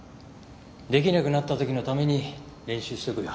出来なくなった時のために練習しとくよ。